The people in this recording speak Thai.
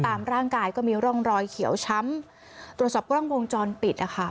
ตามร่างกายก็มีร่องรอยเขียวช้ำตรวจสอบกล้องวงจรปิดนะคะ